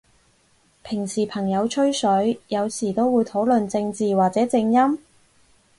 平時朋友吹水，有時都會討論正字或者正音？